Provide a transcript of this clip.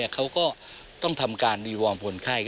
เขาก็ต้องทำการดีวอร์มคนไข้